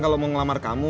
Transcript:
kalau mau ngelamar kamu